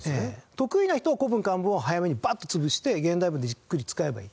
得意な人は古文・漢文を早めにバッと潰して現代文でじっくり使えばいい。